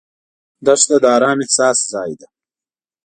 دښته د ارام احساس ځای ده.